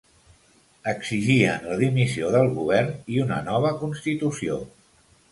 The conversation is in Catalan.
Exigien la dimissió del govern i una nova constitució.